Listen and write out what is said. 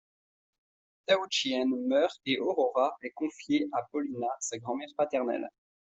Tao Chi'en meurt et Aurora est confiée à Paulina, sa grand-mère paternelle.